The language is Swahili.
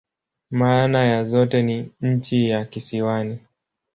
Maana ya zote ni "nchi ya kisiwani.